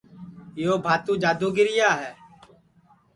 یو بھاتو جادو گیرا ہے